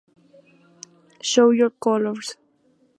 Show your colours!